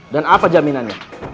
dan apa jaminannya